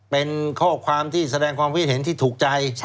เป็นข้อความที่แสดงความคิดเห็นที่ถูกใจ